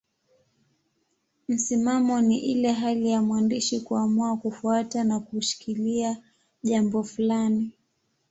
Msimamo ni ile hali ya mwandishi kuamua kufuata na kushikilia jambo fulani.